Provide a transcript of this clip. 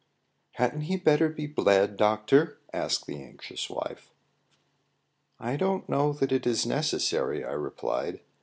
"Hadn't he better be bled, doctor?" asked the anxious wife. "I don't know that it is necessary," I replied.